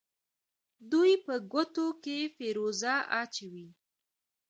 دوی په ګوتو کې فیروزه اچوي.